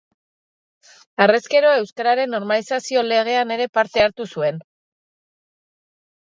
Harrezkero, Euskararen Normalizazio Legean ere parte hartu zuen.